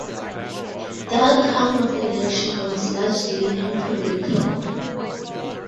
The outcome of the election was largely unpredictable.